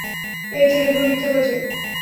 এই ছেলেগুলো মিথ্যা বলছে।